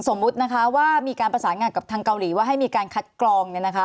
สมมุตินะคะว่ามีการประสานงานกับทางเกาหลีว่าให้มีการคัดกรองเนี่ยนะคะ